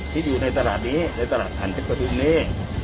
ที่อยู่ในตลาดนี้ตลาดฒรรดิภรรนศ์เห็กรุ่งนี้